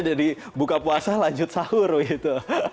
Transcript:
dari buka puasa lanjut sahur begitu